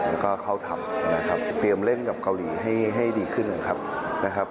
แล้วก็เข้าทำนะครับเตรียมเล่นกับเกาหลีให้ให้ดีขึ้นนะครับนะครับ